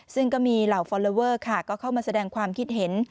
ซึ่งก็มีเหล่าฟอลลอเวอร์ค่ะก็เข้ามาแสดงความคิดเห็น